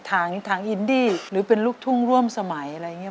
ทางอินดี้หรือเป็นลูกทุ่งร่วมสมัยอะไรอย่างนี้